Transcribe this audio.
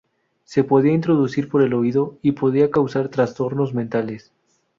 Se podían introducir por el oído y podían causar trastornos mentales.